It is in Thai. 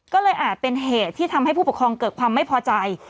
ก็เลยอาจเป็นเหตุที่ทำให้ผู้ปกครองเกิดความไม่พอใจ